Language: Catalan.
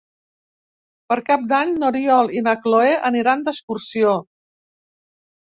Per Cap d'Any n'Oriol i na Cloè aniran d'excursió.